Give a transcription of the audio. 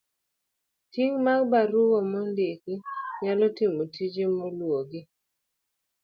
Ting ' mag barua maondik nyalo timo tije maluwogi.